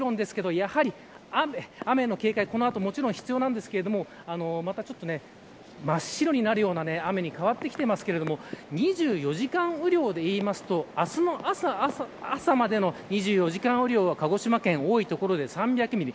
雨への警戒はもちろんですがまたちょっと真っ白になるような雨に変わってきていますけれども２４時間雨量で言いますと明日の朝までの２４時間雨量は鹿児島県、多い所で３００ミリ